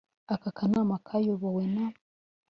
Aka kanama kayobowe na